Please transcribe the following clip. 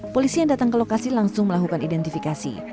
polisi yang datang ke lokasi langsung melakukan identifikasi